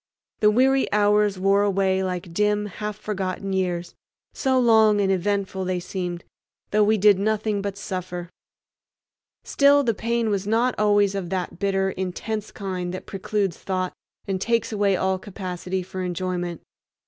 The weary hours wore away like dim half forgotten years, so long and eventful they seemed, though we did nothing but suffer. Still the pain was not always of that bitter, intense kind that precludes thought and takes away all capacity for enjoyment.